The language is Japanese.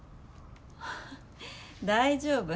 大丈夫。